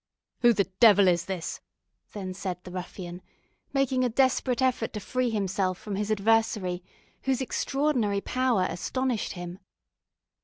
"Who the devil is this?" then said the ruffian, making a desperate effort to free himself from his adversary, whose extraordinary power astonished him.